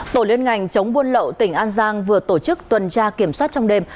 tổ liên ngành chống buôn lậu tỉnh an giang vừa tổ chức tuần tra kiểm soát trong đêm